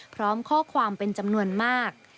พร้อมข้อความเป็นจำนวนมาก